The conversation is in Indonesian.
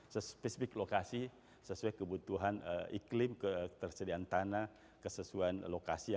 sespesifik lokasi sesuai kebutuhan iklim ketersediaan tanah kesesuaian lokasi